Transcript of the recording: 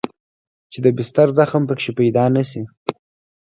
چې د بستر زخم پکښې پيدا نه سي.